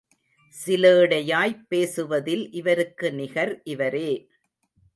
சிலேடையாய்ப் பேசுவதில் இவருக்கு நிகர் இவரே.